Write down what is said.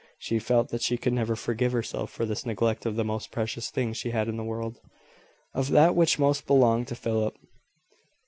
She felt that she could never forgive herself for this neglect of the most precious thing she had in the world of that which most belonged to Philip.